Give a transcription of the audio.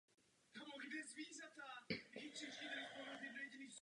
Zbytek podvozku byl nahrazen novou konstrukcí.